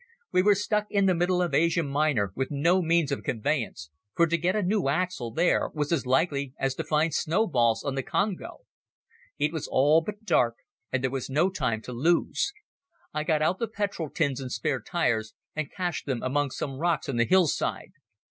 We were stuck in the middle of Asia Minor with no means of conveyance, for to get a new axle there was as likely as to find snowballs on the Congo. It was all but dark and there was no time to lose. I got out the petrol tins and spare tyres and cached them among some rocks on the hillside.